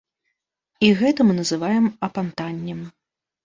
І гэта мы называем апантаннем.